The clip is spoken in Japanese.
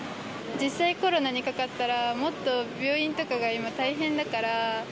実際、コロナにかかったら、もっと病院とかが今、大変だから。